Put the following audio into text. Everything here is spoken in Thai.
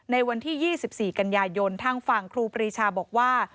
ในวันที่๒๔กันยายนทางฝั่งครูปรีชาบอกว่า